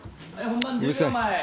うるさい。